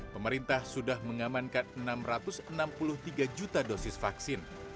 pemerintah sudah mengamankan enam ratus enam puluh tiga juta dosis vaksin